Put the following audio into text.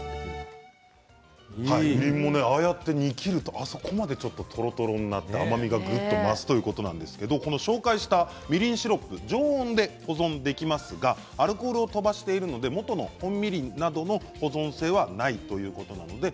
みりんも、あそこまで煮きるとあそこまでとろとろになって甘みもぐっと増すそうなんですがご紹介したみりんシロップ常温で保存できますがアルコール飛ばしているのでもとの本みりん程の保存性はないということです。